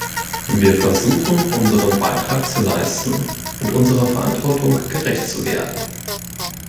Wir versuchen, unseren Beitrag zu leisten und unserer Verantwortung gerecht zu werden.